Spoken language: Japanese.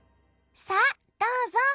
さあどうぞ！